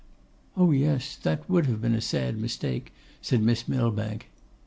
'Oh, yes, that would have been a sad mistake,' said Miss Millbank.